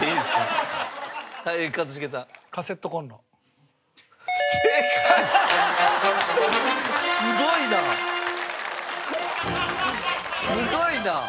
すごいな！